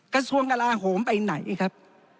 กระทรวงกลาโหมไปไหนครับ